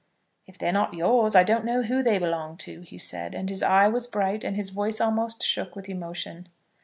"If they're not yours, I don't know whom they belong to," he said. And his eye was bright, and his voice almost shook with emotion.